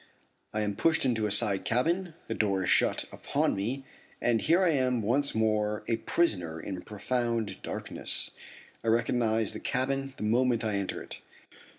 I am pushed into a side cabin, the door is shut upon me, and here I am once more a prisoner in profound darkness. I recognize the cabin the moment I enter it.